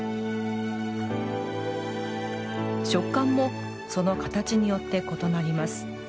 食感もその形によって異なります。